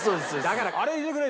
だからあれ入れてくれ。